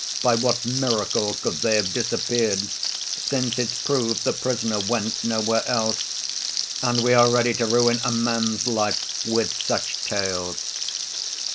By what miracle could they have disappeared, since it's proved the prisoner went nowhere else? And we are ready to ruin a man's life with such tales!